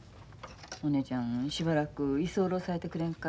「お姉ちゃんしばらく居候さいてくれんか。